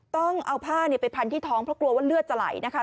ต้องเอาผ้าไปพันที่ท้องเพราะกลัวว่าเลือดจะไหลนะคะ